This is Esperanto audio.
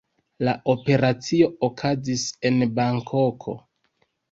La operacio okazis en Bankoko.